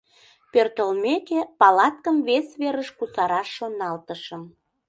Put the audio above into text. Пӧртылмеке, палаткым вес верыш кусараш шоналтышым.